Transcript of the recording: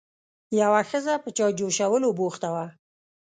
یوه ښځه په چای جوشولو بوخته وه.